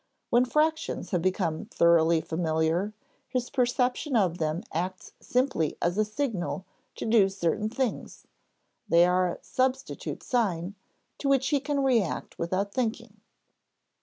When fractions have become thoroughly familiar, his perception of them acts simply as a signal to do certain things; they are a "substitute sign," to which he can react without thinking.